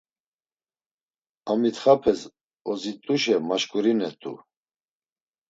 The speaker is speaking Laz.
A mitxapes ozit̆uşe maşǩurinet̆u.